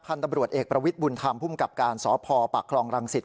ตำรวจเอกประวิทย์บุญธรรมภูมิกับการสพปากคลองรังสิต